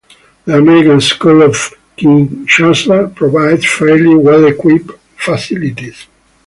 The American School of Kinshasa provides fairly well-equipped facilities.